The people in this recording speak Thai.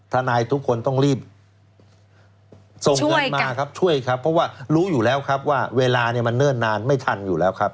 ทนายทุกคนต้องรีบส่งเงินมาครับช่วยครับเพราะว่ารู้อยู่แล้วครับว่าเวลาเนี่ยมันเนิ่นนานไม่ทันอยู่แล้วครับ